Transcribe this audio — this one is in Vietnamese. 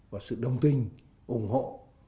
và sự đồng tình ủng hộ